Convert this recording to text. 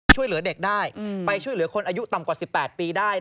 ช่วยเหลือเด็กได้ไปช่วยเหลือคนอายุต่ำกว่า๑๘ปีได้